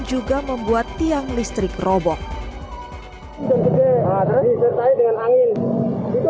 juga menutupi jalan yang menutupi jalan yang menutupi jalan yang menutupi jalan yang menutupi jalan